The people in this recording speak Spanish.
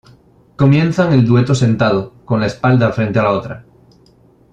Comienzan el dueto sentado, con la espalda frente a la otra.